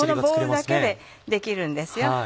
このボウルだけでできるんですよ。